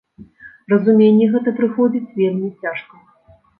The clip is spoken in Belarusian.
Разуменне гэта прыходзіць вельмі цяжка.